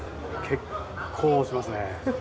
結構しますね。